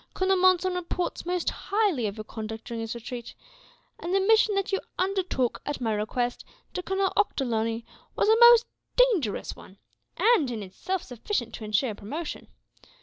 Colonel Monson reports most highly of your conduct during his retreat; and the mission that you undertook, at my request, to Colonel Ochterlony was a most dangerous one and, in itself, sufficient to ensure your promotion.